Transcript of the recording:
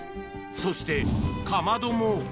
そして、かまども。